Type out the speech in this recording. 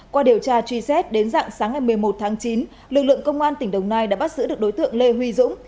qua điều tra truy xét đến dạng sáng ngày một mươi một tháng chín lực lượng công an tỉnh đồng nai đã bắt giữ được đối tượng lê huy dũng